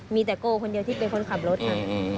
มีแต่โกคนเดียวที่เป็นคนขับรถค่ะ